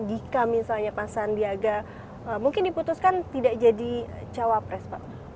jika misalnya pak sandiaga mungkin diputuskan tidak jadi cawapres pak